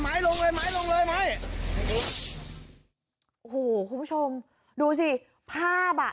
ลงเลยไม้ลงเลยไม้โอ้โหคุณผู้ชมดูสิภาพอ่ะ